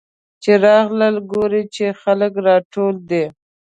چې راغله ګوري چې خلک راټول دي.